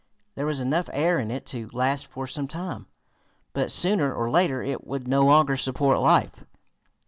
There was enough air in it to last for some time, but, sooner or later, it would no longer support life.